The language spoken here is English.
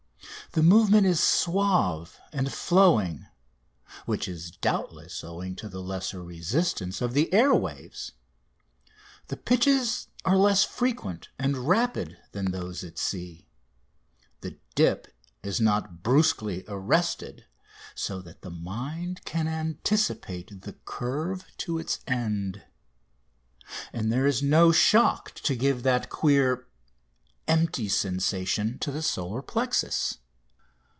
The movement is suave and flowing, which is doubtless owing to the lesser resistance of the air waves. The pitches are less frequent and rapid than those at sea; the dip is not brusquely arrested, so that the mind can anticipate the curve to its end; and there is no shock to give that queer, "empty" sensation to the solar plexus.